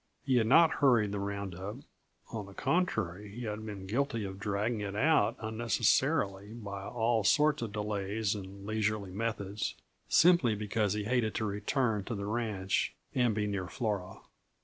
He had not hurried the round up on the contrary he had been guilty of dragging it out unnecessarily by all sorts of delays and leisurely methods simply because he hated to return to the ranch and be near Flora.